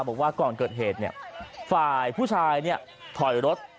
บอกว่าก่อนเกิดเหตุเนี่ยฝ่ายผู้ชายเนี่ยถอยรถ